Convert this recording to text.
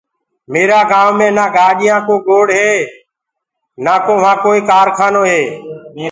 ميرآ گآئونٚ مي نآ گاڏيآنٚ ڪو شور هي نآڪو وهآن ڪوئي ڪارکانو هي